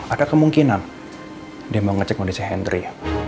ada kemungkinan dia mau ngecek kondisi henry